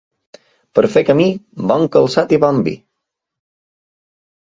Per a fer camí, bon calçat i bon vi.